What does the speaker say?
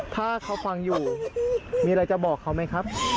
ถ้าเขาฟังอยู่มีอะไรจะบอกเขาไหมครับ